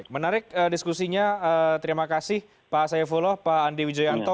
menarik diskusinya terima kasih pak sayevolo pak andi widjojanto